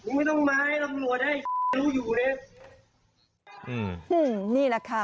นี่แหละค่ะ